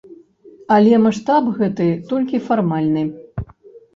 Але маштаб гэты толькі фармальны.